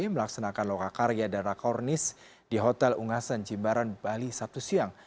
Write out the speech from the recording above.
melaksanakan loka karya dan rakornis di hotel ungasan jimbaran bali sabtu siang